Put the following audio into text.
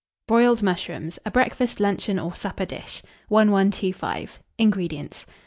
BROILED MUSHROOMS. (A Breakfast, Luncheon, or Supper Dish.) 1125. INGREDIENTS.